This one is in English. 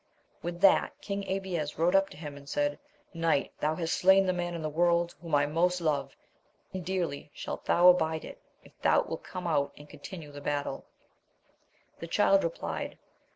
With that King Abies rode up to him and said. Knight ! thou hast slain the man in the world whom I most love, and dearly shalt thou abide it if thou wilt come out and continue the battle. The Child replied.